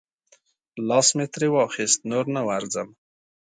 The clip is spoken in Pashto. لاس مې ترې واخیست، نور نه ورځم.